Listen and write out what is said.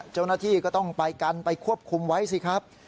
เจ้าหน้าที่ก็ต้องไปกันไปควบคุมไว้สิครับ